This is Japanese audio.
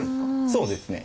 そうですね。